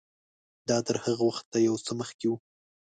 دا تر هغه وخته یو څه مخکې و.